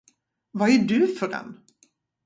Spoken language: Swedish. Vad är du för en?